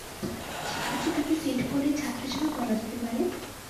সেক্ষেত্রে তাকে সেন্ট পলের ছাত্র হিসেবে বলা যেতে পারে।